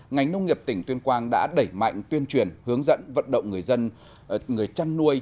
ngành nông nghiệp tỉnh tuyên quang đã đẩy mạnh tuyên truyền hướng dẫn vận động người chăn nuôi